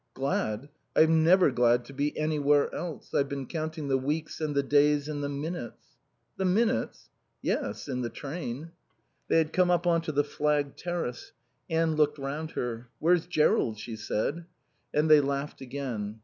"Glad? I'm never glad to be anywhere else. I've been counting the weeks and the days and the minutes." "The minutes?" "Yes. In the train." They had come up on to the flagged terrace. Anne looked round her. "Where's Jerrold?" she said. And they laughed again.